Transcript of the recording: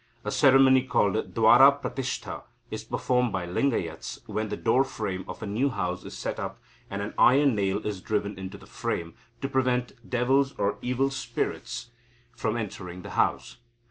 A ceremony, called Dwara Pratishta, is performed by Lingayats when the door frame of a new house is set up, and an iron nail is driven into the frame, to prevent devils or evil spirits from entering the house.